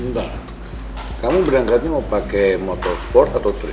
entar kamu berangkatnya mau pakai motorsport atau triat